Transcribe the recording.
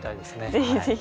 ぜひぜひ。